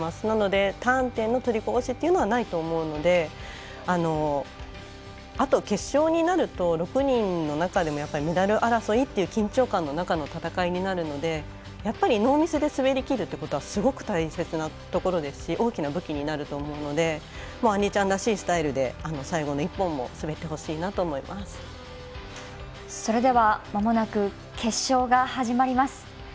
なので、ターン点の取りこぼしというのはないと思うのであと決勝になると、６人の中でもメダル争いという緊張感の中の戦いになるのでやっぱりノーミスで滑りきるというところはすごく大切なところですし大きな武器になると思うのであんりちゃんらしいスタイルで最後の１本もまもなく決勝が始まります。